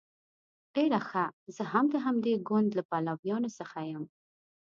ډیر ښه زه هم د همدې ګوند له پلویانو څخه یم.